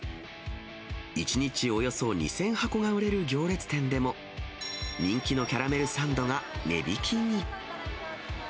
１日およそ２０００箱が売れる行列店でも、人気のキャラメルサンドが値引きに。